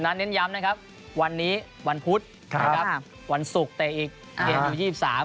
นั้นเน้นย้ำนะครับวันนี้วันพุธวันศุกร์แต่อีกเกมส์๒๓